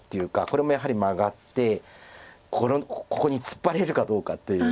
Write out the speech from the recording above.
これもやはりマガってここに突っ張れるかどうかという。